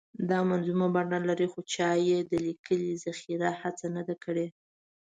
دا منظومه بڼه لري خو چا یې د لیکلې ذخیرې هڅه نه ده کړې.